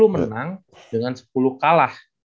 sepuluh menang dengan sepuluh kalah